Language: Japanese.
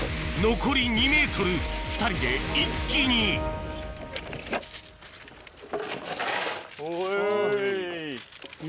残り２ｍ２人で一気におい。